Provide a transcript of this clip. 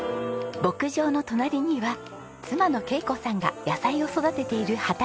牧場の隣には妻の恵子さんが野菜を育てている畑があります。